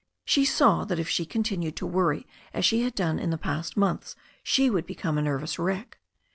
She saw that if she continued to worry as she had done in the past months she would become a nervous wreck.